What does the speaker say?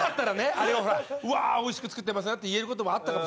あれをほら「うわおいしく作ってますね」って言える事もあったかも。